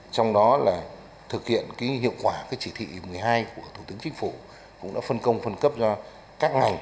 trong đó là thực hiện hiệu quả chỉ thị một mươi hai của thủ tướng chính phủ cũng đã phân công phân cấp cho các ngành